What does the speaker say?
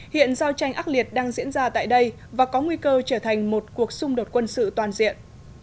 hiện giao tranh ác liệt đang diễn ra tại đây và có nguy cơ trở thành một cuộc xung đột quân sự toàn diện